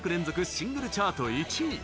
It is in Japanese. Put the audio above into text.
シングルチャート１位。